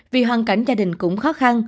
vì hoàn cảnh gia đình cũng khó khăn